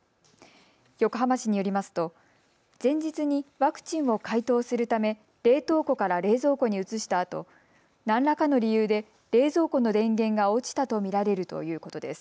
横浜市によりますと前日にワクチンを解凍するため冷凍庫から冷蔵庫に移したあと何らかの理由で冷蔵庫の電源が落ちたと見られるということです。